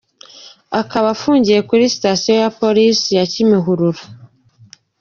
Akaba afungiye kuri station ya Polisi ya Kimihurura.